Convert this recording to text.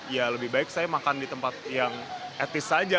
ya lebih baik saya makan di tempat yang etis saja